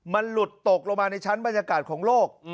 มันหลุดตกลงมาในชั้นบรรยากาศของโลก